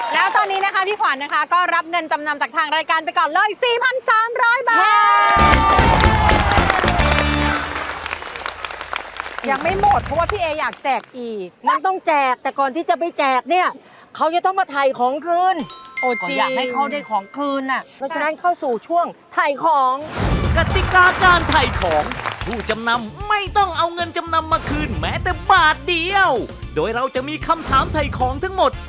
แล้วตอนนี้นะคะพี่ขวัญนะคะก็รับเงินจำนำจากทางรายการไปก่อนเลย๔๓๐๐บาท